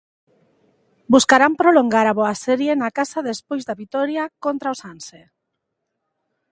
Buscarán prolongar a boa serie na casa despois da vitoria contra o Sanse.